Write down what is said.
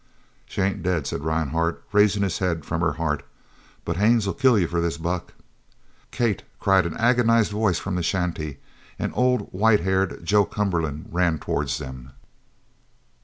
"She ain't dead," said Rhinehart, raising his head from her heart, "but Haines'll kill you for this, Buck!" "Kate!" cried an agonized voice from the shanty, and old white haired Joe Cumberland ran towards them.